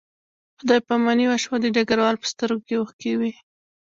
خدای پاماني وشوه او د ډګروال په سترګو کې اوښکې وې